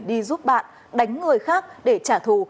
đi giúp bạn đánh người khác để trả thù